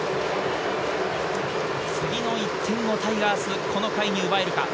次の１点をタイガース、この回に奪えるか。